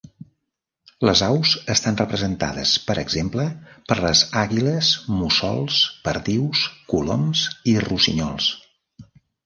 Les aus estan representades per exemple, per les àguiles, mussols, perdius, coloms i rossinyols.